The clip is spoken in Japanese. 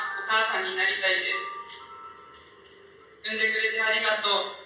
産んでくれてありがとう。